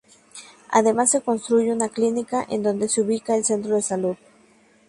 Además se construye una clínica en donde se ubicaba el centro de salud.